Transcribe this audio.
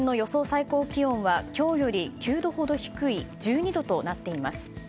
最高気温は今日より９度ほど低い１２度となっています。